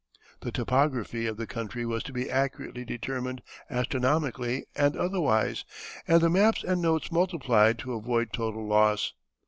The topography of the country was to be accurately determined, astronomically and otherwise, and the maps and notes multiplied to avoid total loss.